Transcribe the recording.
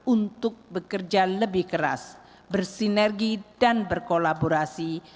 untuk bekerja lebih keras bersinergi dan berkolaborasi